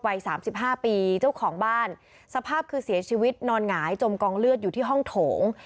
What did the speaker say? สามสิบห้าปีเจ้าของบ้านสภาพคือเสียชีวิตนอนหงายจมกองเลือดอยู่ที่ห้องโถง